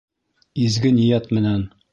Изге ниәт менән!